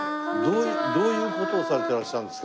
どういう事をされてらっしゃるんですか？